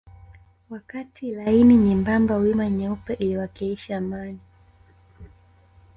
Wakati laini nyembamba wima nyeupe iliwakilisha amani